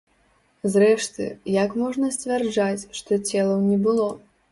Зрэшты, як можна сцвярджаць, што целаў не было?